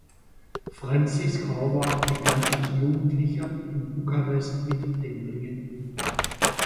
Francisc Horvath begann als Jugendlicher in Bukarest mit dem Ringen.